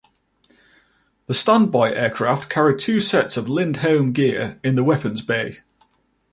The standby aircraft carried two sets of Lindholme Gear in the weapons bay.